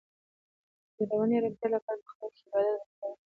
د رواني ارامتیا لپاره په خلوت کې عبادت او مطالعه وکړئ.